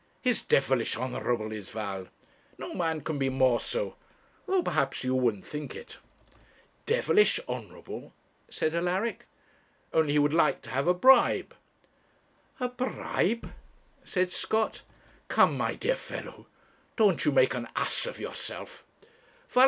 He's devilish honourable is Val; no man can be more so; though, perhaps, you wouldn't think it.' 'Devilish honourable!' said Alaric. 'Only he would like to have a bribe.' 'A bribe!' said Scott. 'Come, my dear fellow, don't you make an ass of yourself.